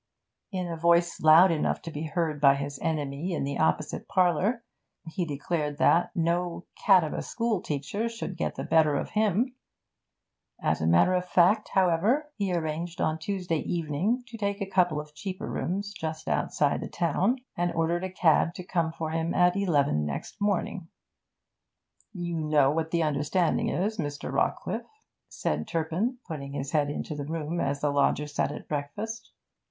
In a voice loud enough to be heard by his enemy in the opposite parlour, he declared that no 'cat of a school teacher should get the better of him.' As a matter of fact, however, he arranged on Tuesday evening to take a couple of cheaper rooms just outside the town, and ordered a cab to come for him at eleven next morning. 'You know what the understanding is, Mr. Rawcliffe,' said Turpin, putting his head into the room as the lodger sat at breakfast.